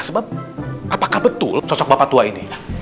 sebab apakah betul sosok bapak tua ini